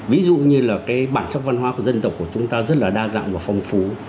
ví dụ như là cái bản sắc văn hóa của dân tộc của chúng ta rất là đa dạng và phong phú